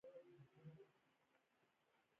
د پرنیاني قبیلې پښې له خپلي کمبلي اوږدې کړي.